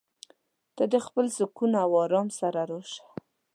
ته د خپل سکون او ارام سره راشه.